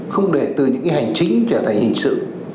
không để từ những cái hành chính trở thành hình sự